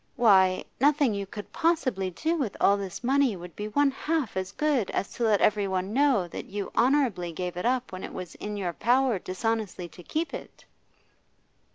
Why, nothing you could possibly do with all this money would be one half as good as to let everyone know that you honourably gave it up when it was in your power dishonestly to keep it!